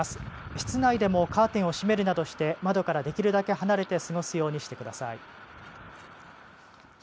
室内でもカーテンを閉めるなどして窓からできるだけ離れて過ごすようにしてください。